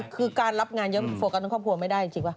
คือการรับงานเยอะโฟกัสทั้งครอบครัวไม่ได้จริงป่ะ